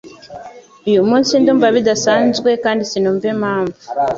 Uyu munsi ndumva bidasanzwe kandi sinumva impamvu.